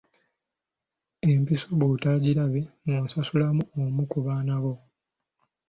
Empiso bw'otoogirabe ng'onsasulamu omu ku baana bo.